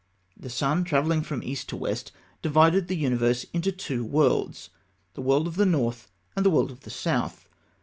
The sun, travelling from east to west, divided the universe into two worlds, the world of the north and the world of the south.